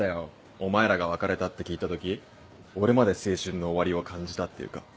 お前らが別れたって聞いた時俺まで青春の終わりを感じたっていうか。